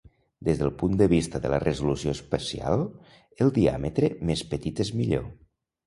Des del punt de vista de la resolució espacial, el diàmetre més petit és millor.